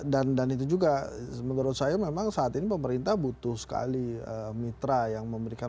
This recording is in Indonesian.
itu juga menurut saya memang saat ini pemerintah butuh sekali mitra yang memberikan